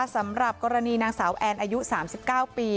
สำหรับกรณีนางสาวแอนอายุ๓๙ปี